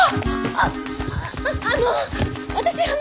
あっあの私あの！